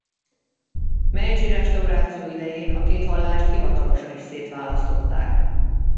Meidzsi-restauráció idején a két vallást hivatalosan is szétválasztották.